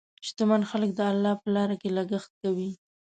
شتمن خلک د الله په لاره کې لګښت کوي.